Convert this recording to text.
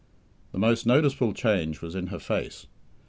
The most noticeable change was in her face.